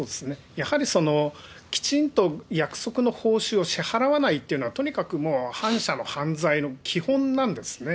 やはりそのきちんと約束の報酬を支払わないっていうのは、とにかくもう反社の犯罪の基本なんですね。